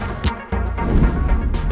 huk's udah dayang banget banget